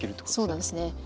そうなんですね。